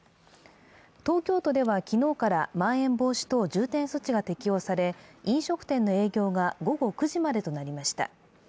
東京都では昨日からまん延防止等重点措置が適用され、飲食店の営業が午後９時までとなりました。